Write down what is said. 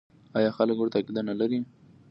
آیا خلک ورته عقیده نلري؟